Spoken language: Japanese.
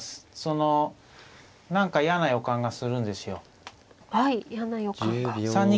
その何か嫌な予感がするんですよ。